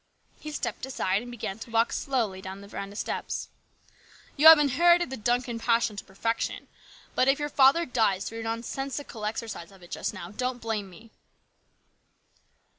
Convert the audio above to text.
He stepped aside and began to walk slowly down the veranda steps. " You have inherited the Duncan passion to perfection ; but if your father dies through your nonsensical exercise of it just now, don't blame me."